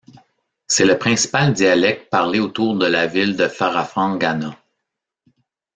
C'est le principal dialecte parlé autour de la ville de Farafangana.